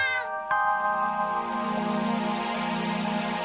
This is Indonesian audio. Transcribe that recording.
gigi gue ntar patah